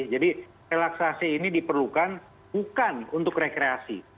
jadi relaksasi ini diperlukan bukan untuk rekreasi